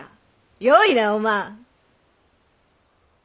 よいなお万。